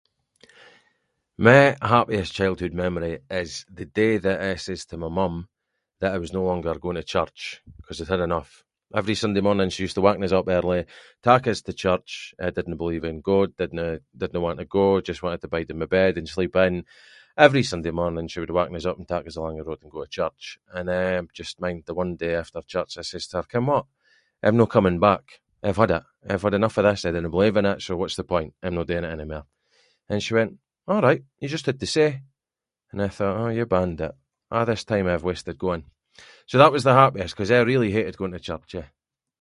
"My happiest childhood memory is the day that I says to my mum that I was no longer going to church ‘cause I’d had enough. Every Sunday morning she used to waken us up early, tak us to church, I didnae believe in god, didnae- didnae want to go, just wanted to bide in my bed and sleep in. Every Sunday morning she would waken us up and tak us along the road and go to church, and I just mind the one day after church I says to her “ken what, I’m no coming back, I’ve had it, I’ve had enough of this, I dinna believe in it, so what’s the point? I’m no doing it anymair” and she went “a’right, you just had to say” and I thought ""oh you bandit, a’ this time I’ve wasted going"". So that was the happiest ‘cause I really hated going to church, eh. "